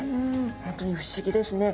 本当に不思議ですね。